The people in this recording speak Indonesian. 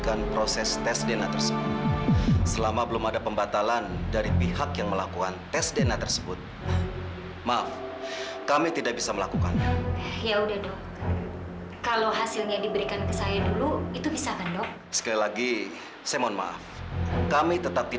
kamu sendiri ngapain di sini